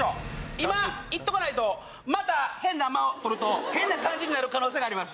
今いっとかないとまた変な間をとると変な感じになる可能性があります